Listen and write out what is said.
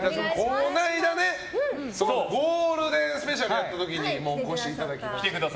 この間ゴールデンスペシャルやった時にお越しいただきまして。